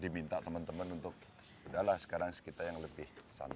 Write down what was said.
diminta teman teman untuk sudah lah sekarang kita yang lebih santai